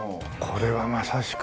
これはまさしく。